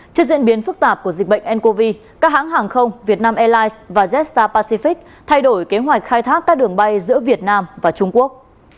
trước diễn biến phức tạp của dịch bệnh ncov các hãng hàng không việt nam airlines và jetstar pacific thay đổi kế hoạch khai thác các đường bay giữa việt nam và trung quốc